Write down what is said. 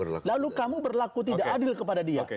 lalu kamu berlaku tidak adil kepada dia